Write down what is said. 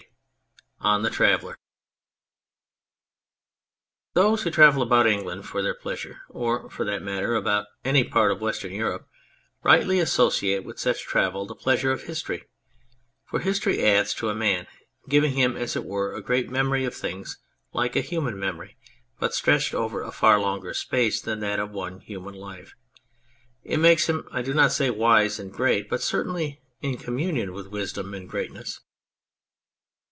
134 ON THE TRAVELLER THOSE who travel about England for their pleasure, or, for that matter, about any part of Western Europe, rightly associate with such travel the pleasure of history : for history adds to a man, giving him, as it were, a great memory of things like a human memory, but stretched over a far longer space than that of one human life. It makes him, I do not say wise and great, but certainly in communion with wisdom and greatness.